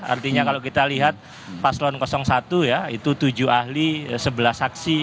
artinya kalau kita lihat paslon satu ya itu tujuh ahli sebelas saksi